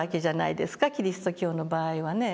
キリスト教の場合はね。